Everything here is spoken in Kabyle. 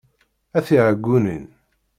A tiɛeggunin!